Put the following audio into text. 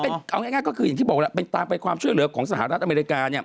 เอาง่ายก็คือเป็นภาพช่วยเหลือของสหรัฐอเมริกา